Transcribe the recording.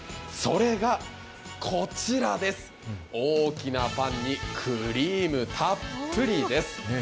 それがこちらです、大きなパンにクリームたっぷりです。